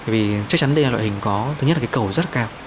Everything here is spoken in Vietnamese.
vì chắc chắn đây là loại hình có thứ nhất là cái cầu rất cao